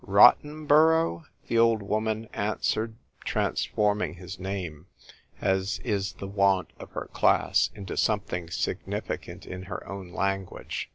" Rottenborough ?" the old woman an swered, transforming his name, as is the wont of her class, into something significant in her own language.